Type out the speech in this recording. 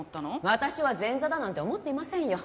私は前座だなんて思っていませんよ。